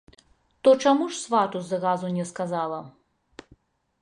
То чаму ж свату зразу не сказала?